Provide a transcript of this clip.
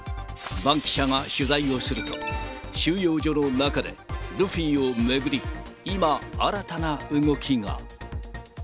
バンキシャが取材をすると収容所の中でルフィを巡り、今、新たな動きが。